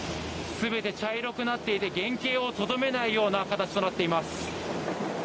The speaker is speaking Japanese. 全て茶色くなっていて原形をとどめないような形となっています。